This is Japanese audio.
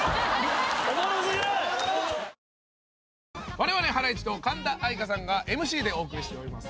われわれハライチと神田愛花さんがＭＣでお送りしております。